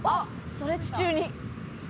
「ストレッチ中に」